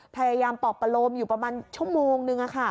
พยายามปอบประโลมอยู่ประมาณชั่วโมงนึง